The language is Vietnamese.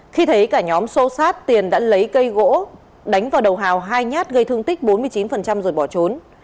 khi thấy cả nhóm xô xát tiền đã lấy cây gỗ đánh vào đầu hào hai nhát gây thương tích bốn mươi chín rồi bỏ trốn